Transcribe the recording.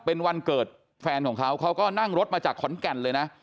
เป็นวันเกิดแฟนของเขาเขาก็นั่งรถมาจากขอนแก่นเลยนะ